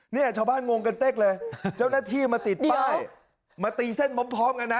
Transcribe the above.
เนี่ยชาวบ้านงงกันเต๊กเลยเจ้าหน้าที่มาติดป้ายมาตีเส้นพร้อมกันนะ